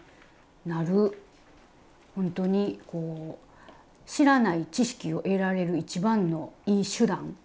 ほんとに知らない知識を得られる一番のいい手段。